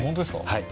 はい。